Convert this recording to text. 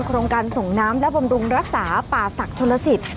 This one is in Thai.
โครงการส่งน้ำและบำรุงรักษาป่าศักดิ์ชนลสิต